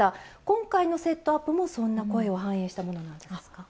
今回のセットアップもそんな声を反映したものなんですか？